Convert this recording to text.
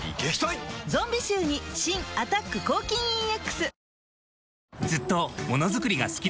ゾンビ臭に新「アタック抗菌ＥＸ」